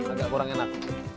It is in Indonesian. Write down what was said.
agak kurang enak